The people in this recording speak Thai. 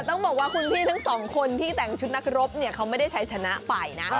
ต้องบอกว่าคุณพี่ทั้งสองคนที่แต่งชุดนักรบเนี่ยเขาไม่ได้ใช้ชนะไปนะ